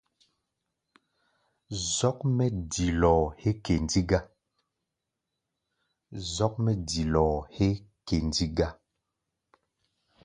Zɔ́k mɛ́ dilɔɔ héé kɛndi gá.